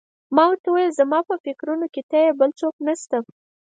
ما ورته وویل: زما په فکرونو کې ته یې، بل څوک نه شته.